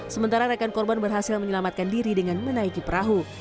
sementara rekan korban berhasil menyelamatkan diri dengan menaiki perahu